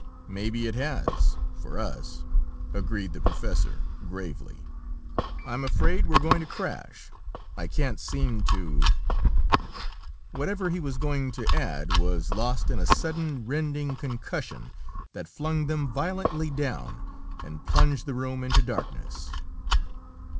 "Maybe it has, for us!" agreed the professor, gravely. "I'm afraid we're going to crash. I can't seem to " Whatever he was going to add was lost in a sudden, rending concussion that flung them violently down, and plunged the room into darkness.